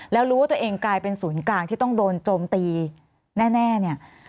แล้วรู้ว่าตัวเองกลายเป็นศูนย์กลางที่ต้องโดนโจมตีแน่เนี่ย